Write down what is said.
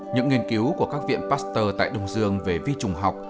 những nghiên cứu của các viện pasteur tại đông dương về vi trùng học